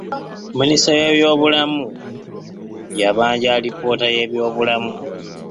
Minisita w'ebyobulamu yabanja alipoota y'ebyobulamu.